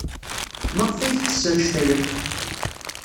Maɣef ay tettess anect-a akk?